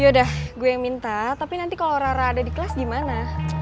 yaudah gue yang minta tapi nanti kalau rara ada di kelas gimana